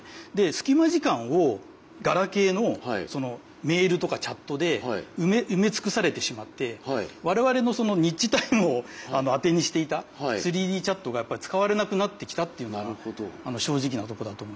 隙間時間をガラケーのメールとかチャットで埋めつくされてしまって我々のそのニッチタイムを当てにしていた３Ｄチャットがやっぱり使われなくなってきたっていうのが正直なとこだと思います。